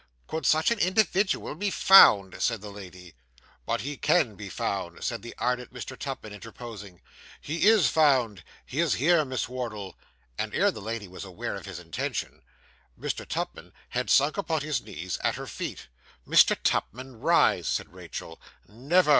'Could such an individual be found ' said the lady. 'But he can be found,' said the ardent Mr. Tupman, interposing. 'He is found. He is here, Miss Wardle.' And ere the lady was aware of his intention, Mr. Tupman had sunk upon his knees at her feet. 'Mr. Tupman, rise,' said Rachael. 'Never!